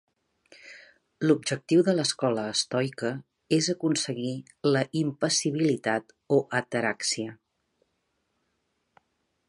L'objectiu de l'escola estoica és aconseguir la impassibilitat o ataràxia.